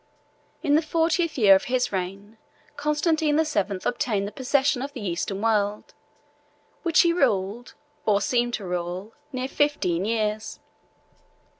In the fortieth year of his reign, Constantine the Seventh obtained the possession of the Eastern world, which he ruled or seemed to rule, near fifteen years.